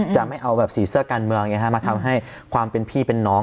จะไม่เอาแบบสีเสื้อการเมืองมาทำให้ความเป็นพี่เป็นน้อง